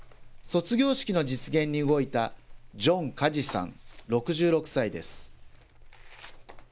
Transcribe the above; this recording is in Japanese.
卒業式の実現に動いた、ジョン・カジさん６６歳です。